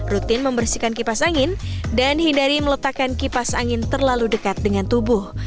rutin membersihkan kipas angin dan hindari meletakkan kipas angin terlalu dekat dengan tubuh